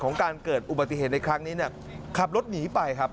การเกิดอุบัติเหตุในครั้งนี้เนี่ยขับรถหนีไปครับ